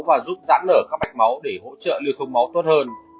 và giúp giãn lở các mạch máu để hỗ trợ lưu thông máu tốt hơn